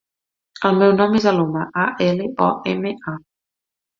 El meu nom és Aloma: a, ela, o, ema, a.